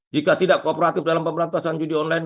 jika tidak kooperatif dalam pemberantasan judi online